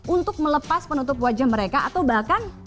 untuk melepas penutup wajah mereka atau bahkan